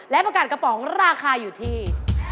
และประกาศกระป๋องราคาอยู่ที่